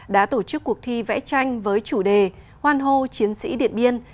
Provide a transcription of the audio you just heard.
đã tổ chức cuộc thi vẽ tranh với chủ đề hoan hô chiến sĩ điện biên